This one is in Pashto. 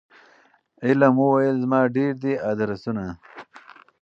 علم وویل زما ډیر دي آدرسونه